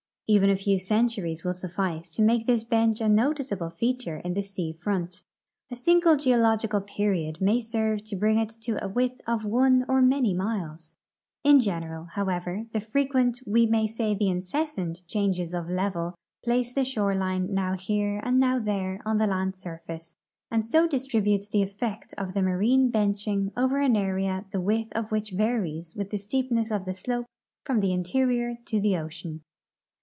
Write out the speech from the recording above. Even a few cen turies will suffice to make this bench a noticeable feature in the sea front. A single geological period may serve to bring it to a Avidth of one or many miles. In general, howcA^er, the frequent, we may say the incessant, changes of level place the shoreline noAV here and noAV there on the land surface and so distribute the effect of the marine benching over an area the Avidth of Avhich varies Avith the stee])iiess of the slope from the interior to the ocean.